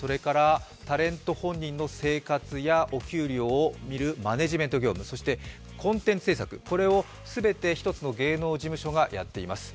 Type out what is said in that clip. タレント本人の生活などを担うマネジメント業務、そしてコンテンツ制作、これを全て１つの芸能事務所がやっています。